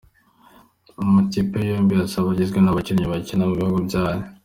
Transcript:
Amakipe yombi azaba agizwe n’abakinnyi bakina mu bihugu byabo.